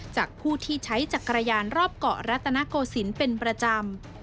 จากผู้ที่ใช้จักรยานรอบเกาะรัตนโกศิลป์เป็นประจำ